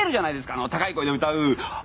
あの高い声で歌う。